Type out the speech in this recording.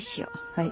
はい。